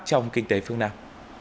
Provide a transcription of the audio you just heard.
trong kinh tế phương nam